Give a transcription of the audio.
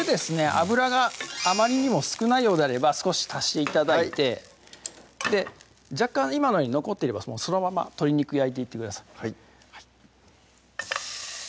油があまりにも少ないようであれば少し足して頂いてはい若干今のように残っていればそのまま鶏肉焼いていってください